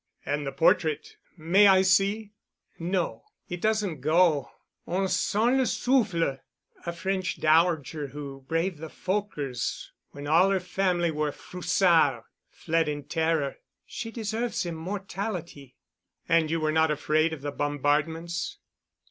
And the portrait—may I see?" "No—it doesn't go—on sent le souffle—a French dowager who braved the Fokkers when all her family were froussards—fled in terror. She deserves immortality." "And you—were you not afraid of the bombardments?"